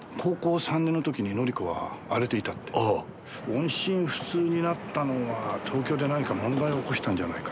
音信不通になったのは東京で何か問題を起こしたんじゃないか？